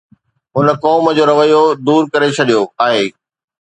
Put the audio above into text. هن قوم جو رويو دور ڪري ڇڏيو آهي.